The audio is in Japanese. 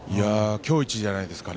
今日いちじゃないですかね。